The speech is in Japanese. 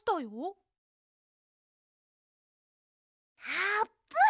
あーぷん！